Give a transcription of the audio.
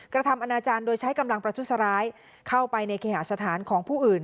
กระทำอนาจารย์โดยใช้กำลังประทุษร้ายเข้าไปในเคหาสถานของผู้อื่น